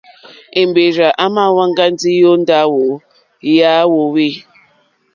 Èmbèrzà èmà wáŋgá ndí ó ndáwù yà hwòhwê.